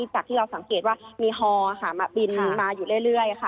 จากที่เราสังเกตว่ามีฮอมาบินมาอยู่เรื่อยค่ะ